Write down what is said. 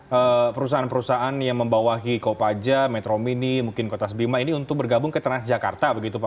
bagaimana perusahaan perusahaan yang membawahi kopaja metro mini mungkin kotas bima ini untuk bergabung ke transjakarta begitu pak